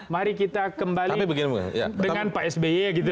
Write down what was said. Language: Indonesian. mari kita kembali dengan pak s b